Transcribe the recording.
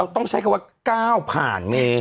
ต้องใช้คำว่า